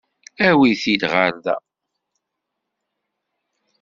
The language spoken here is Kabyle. Awit-t-id ɣer da.